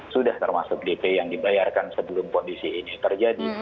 sudah termasuk dp yang dibayarkan sebelum kondisi ini terjadi